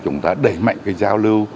chúng ta đẩy mạnh cái giao lưu